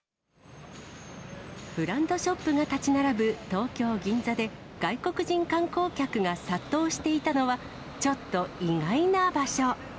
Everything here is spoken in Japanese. ブランドショップが建ち並ぶ、東京・銀座で、外国人観光客が殺到していたのは、ちょっと意外な場所。